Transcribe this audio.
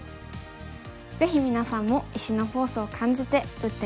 ぜひ皆さんも石のフォースを感じて打ってみて下さいね。